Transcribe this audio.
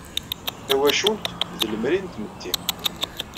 Tawacult, d lemri n tmetti.